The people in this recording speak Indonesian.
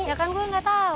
ya kan gue gak tau